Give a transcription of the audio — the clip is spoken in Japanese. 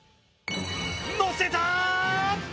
のせた！